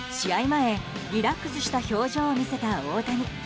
前、リラックスした表情を見せた大谷。